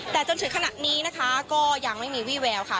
แต่จนถึงขณะนี้นะคะก็ยังไม่มีวี่แววค่ะ